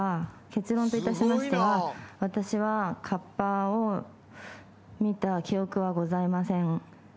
結論といたしましては私はカッパを見た記憶はございません。